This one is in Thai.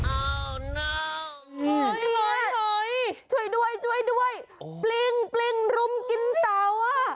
ช่วยด้วยช่วยด้วยปลิงปลิงรุมกินเตาอ่ะ